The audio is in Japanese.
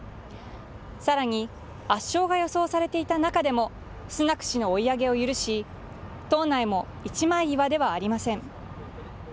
さらに、圧勝が予想されていた中でも、スナク氏の追い上げを許し、党内も一枚岩ではありません。